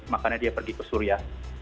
makanya dia pergi ke suriah